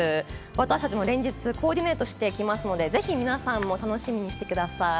私たちも連日コーディネートしてきますので、ぜひ皆さんも楽しみにしていてください。